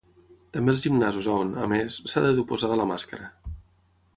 També als gimnasos, on, a més, s’ha de dur posada la màscara.